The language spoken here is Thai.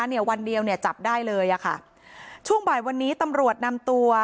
เนี่ยวันเดียวเนี่ยจับได้เลยอ่ะค่ะช่วงบ่ายวันนี้ตำรวจนำตัว